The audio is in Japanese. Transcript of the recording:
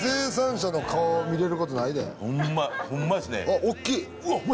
あっ大っきい。